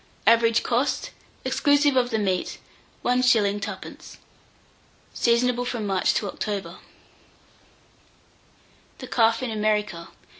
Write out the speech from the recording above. Average cost, exclusive of the meat, 1s. 2d. Seasonable from March to October. THE CALF IN AMERICA.